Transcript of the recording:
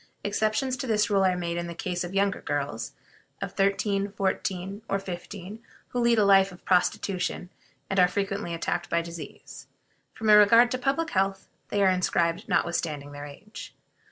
Exceptions to this rule are made in the case of younger girls of thirteen, fourteen, or fifteen, who lead a life of prostitution, and are frequently attacked by disease. From a regard to public health, they are inscribed notwithstanding their age.